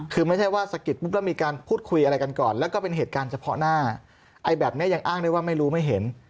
คือไม่ใช่ว่าสะกิดปุ๊บแล้วมีการพูดคุยอะไรกันก่อนแล้วก็เป็นเหตุการณ์เฉพาะหน้าไอ้แบบนี้ยังอ้างได้ว่าไม่รู้ไม่เห็น